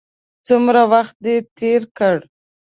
څومره وخت دې تېر کړ.